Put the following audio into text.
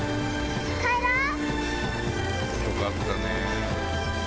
よかったね！